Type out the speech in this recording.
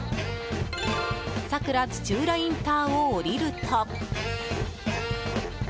桜土浦インターを下りると。